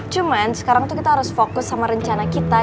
cuman sekarang tuh kita harus fokus sama rencana kita